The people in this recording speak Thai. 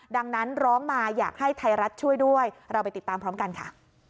ดังนั้นร้องมาอยากให้ไทยรัฐช่วยด้วยเราไปติดตามพร้อมกันค่ะ